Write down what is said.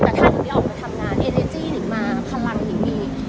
แต่ถ้านิงได้ออกมาทำงานเอเนจี้นิงมาพลังหนิงมี